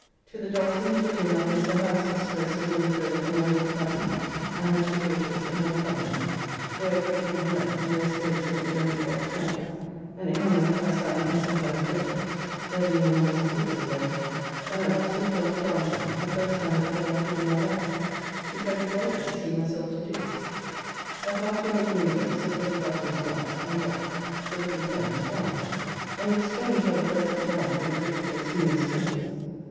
To the Dolphin to a dinner of Mr. Harris's, where Sir Williams both and my Lady Batten, and her two daughters, and other company, where a great deal of mirth, and there staid till 11 o'clock at night; and in our mirth I sang and sometimes fiddled (there being a noise of fiddlers there), and at last we fell to dancing, the first time that ever I did in my life, which I did wonder to see myself to do. At last we made Mingo, Sir W. Batten's black, and Jack, Sir W. Pen's, dance, and it was strange how the first did dance with a great deal of seeming skill.